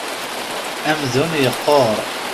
Amdun yequṛ.